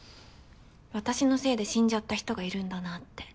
私のせいで死んじゃった人がいるんだなって。